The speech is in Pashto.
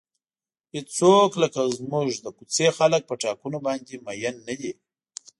هیڅوک لکه زموږ د کوڅې خلک په ټاکنو باندې مین نه دي.